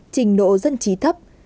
trình độ dân trí thấp